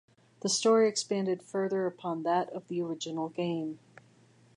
The story expanded further upon that of the original game.